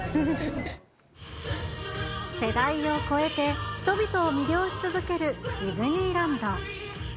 世代を超えて、人々を魅了し続けるディズニーランド。